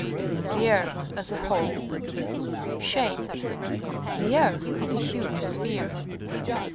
THE EARTH AS A WHOLE Shape. — The earth is a huge sphere.